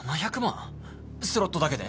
スロットだけで？